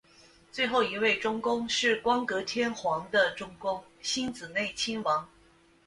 最后一位中宫是光格天皇的中宫欣子内亲王。